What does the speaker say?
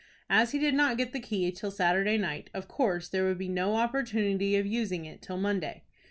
As he did not get the key till Saturday night, of course there would be no opportunity of using it till Monday.